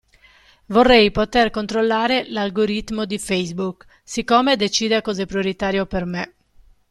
Vorrei poter controllare l'algoritmo di Facebook, siccome decide cosa è prioritario per me.